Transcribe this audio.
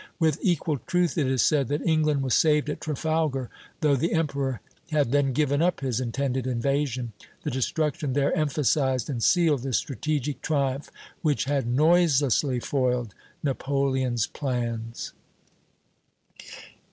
With equal truth it is said that England was saved at Trafalgar, though the Emperor had then given up his intended invasion; the destruction there emphasized and sealed the strategic triumph which had noiselessly foiled Napoleon's plans.